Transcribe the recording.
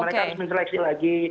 mereka harus menyeleksi lagi